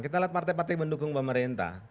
kita lihat partai partai mendukung pemerintah